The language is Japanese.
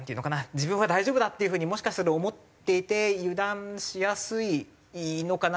自分は大丈夫だっていう風にもしかしたら思っていて油断しやすいのかな。